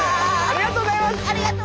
ありがとうございます！